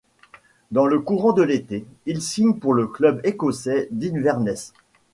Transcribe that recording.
Dans le courant de l'été, il signe pour le club écossais d'Inverness.